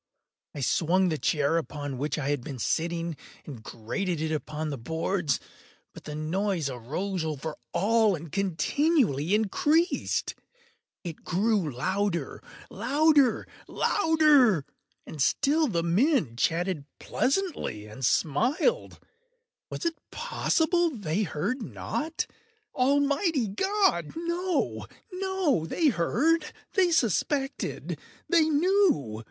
I swung the chair upon which I had been sitting, and grated it upon the boards, but the noise arose over all and continually increased. It grew louder—louder—louder! And still the men chatted pleasantly, and smiled. Was it possible they heard not? Almighty God!—no, no! They heard!—they suspected!—they knew!